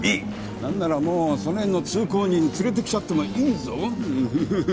なんならもうその辺の通行人連れてきちゃってもいいぞふふふふっ。